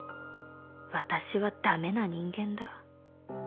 「私は駄目な人間だ」